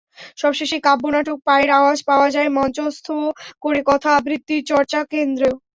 সবশেষে কাব্যনাটক পায়ের আওয়াজ পাওয়া যায় মঞ্চস্থ করে কথা আবৃত্তি চর্চা কেন্দ্র।